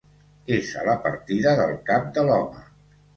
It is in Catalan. És a la partida del Cap de l'Home.